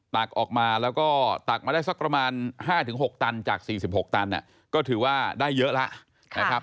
ตักออกมาแล้วก็ตักมาได้สักประมาณ๕๖ตันจาก๔๖ตันก็ถือว่าได้เยอะแล้วนะครับ